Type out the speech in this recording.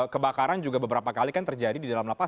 kebakaran juga beberapa kali kan terjadi di dalam lapas